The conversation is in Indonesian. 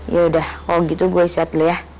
yaudah kalau gitu gue istirahat dulu ya